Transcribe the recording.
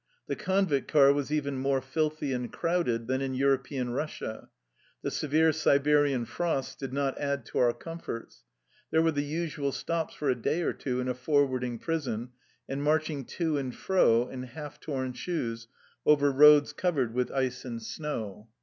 The convict car was even more filthy and crowded than in European Kussia. The severe Siberian frosts did not add to our comforts. There were the usual stops for a day or two in a forwarding prison, and march ing to and fro, in half torn shoes, over roads cov ered with ice and snow.